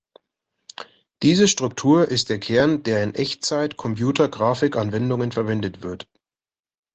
Diese Struktur ist der Kern, der in Echtzeit-Computergraphikanwendungen verwendet wird.